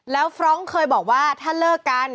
แล้วฟรองก์เคยบอกว่าถ้าเลิกกัน